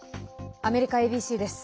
アメリカＡＢＣです。